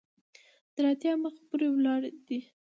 تر اتیا مخ پورې ولاړ دی.